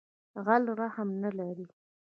غل رحم نه لری